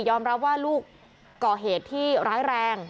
รับว่าลูกก่อเหตุที่ร้ายแรง